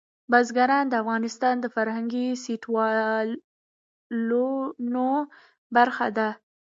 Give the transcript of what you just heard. بزګان د افغانستان د فرهنګي فستیوالونو برخه ده.